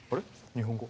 日本語。